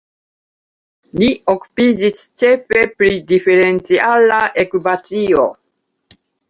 Li okupiĝis ĉefe pri Diferenciala ekvacio.